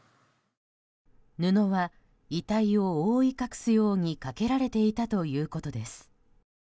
布は遺体を覆い隠すようにかけられていたということです。